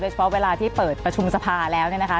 เฉพาะเวลาที่เปิดประชุมสภาแล้วเนี่ยนะคะ